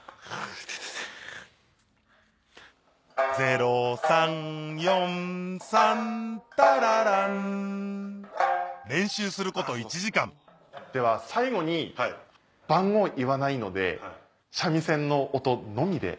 ０・３・４・３タララン練習すること１時間では最後に番号言わないので三味線の音のみで。